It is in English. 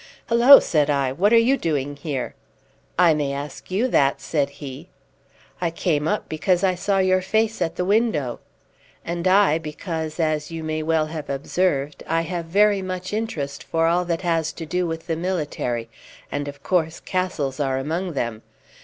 "Hullo!" said I, "what are you doing here?" "I may ask you that," said he. "I came up because I saw your face at the window." "And I because, as you may well have observed, I have very much interest for all that has to do with the military, and, of course, castles are among them.